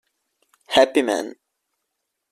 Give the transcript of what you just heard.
Happy Man